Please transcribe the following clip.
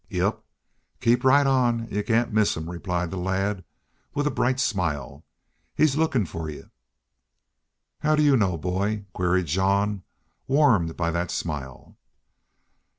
"Yep. Keep right on, an' y'u cain't miss him," replied the lad, with a bright smile. "He's lookin' fer y'u." "How do you know, boy?" queried Jean, warmed by that smile.